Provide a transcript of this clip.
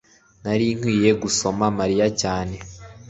nari nkwiye gusoma mariya cyane